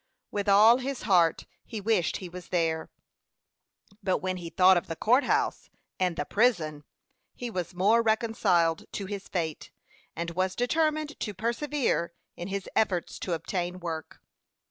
With all his heart he wished he was there; but when he thought of the court house and the prison, he was more reconciled to his fate, and was determined to persevere in his efforts to obtain work.